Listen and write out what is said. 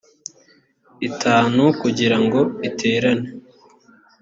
itanu kugira ngo iterane